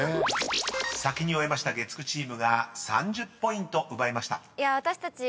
［先に終えました月９チームが３０ポイント奪いました］